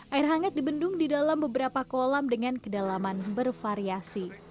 air hangat dibendung di dalam beberapa kolam dengan kedalaman bervariasi